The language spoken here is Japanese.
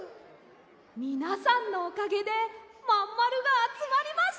みなさんのおかげでまんまるがあつまりました！